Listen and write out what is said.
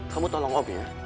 kamu tolong om ya